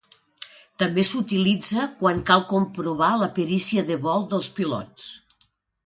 També s'utilitza quan cal comprovar la perícia de vol dels pilots.